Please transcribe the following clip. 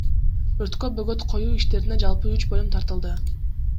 Өрткө бөгөт коюу иштерине жалпы үч бөлүм тартылды.